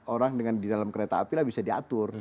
orang dengan di dalam kereta api lah bisa diatur